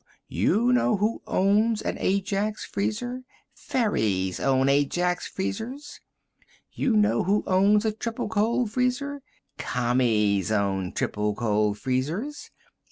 You know who owns an Ajax Freezer? Fairies own Ajax Freezers! You know who owns a Triplecold Freezer? Commies own Triplecold Freezers!